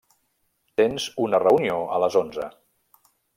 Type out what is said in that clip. Tens una reunió a les onze.